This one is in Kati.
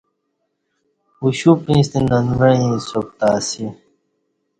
اوشپ ییݩستہ ننوعیں حساب تہ اسی